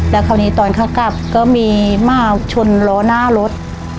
แล้วคราวนี้ตอนเขากลับก็มีมาชนล้อหน้ารถ